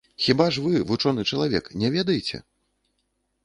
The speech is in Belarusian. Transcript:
Хіба ж вы, вучоны чалавек, не ведаеце?